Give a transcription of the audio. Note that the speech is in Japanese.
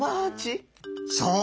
そう！